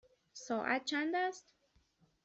ساعت چند است؟